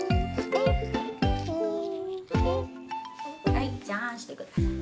はいじゃああんしてください。